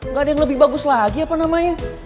nggak ada yang lebih bagus lagi apa namanya